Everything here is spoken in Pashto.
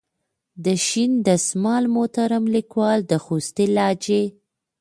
د شین دسمال محترم لیکوال د خوستي لهجې.